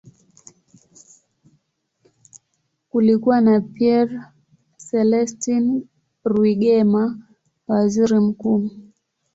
Kulikuwa na Pierre Celestin Rwigema, waziri mkuu.